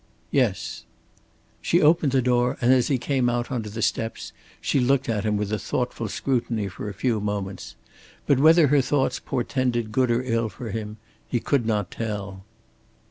"Yes." She opened the door, and as he came out on to the steps she looked at him with a thoughtful scrutiny for a few moments. But whether her thoughts portended good or ill for him, he could not tell.